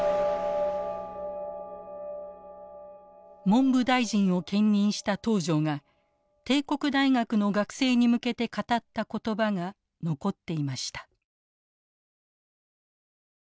文部大臣を兼任した東條が帝国大学の学生に向けて語った言葉が残っていました。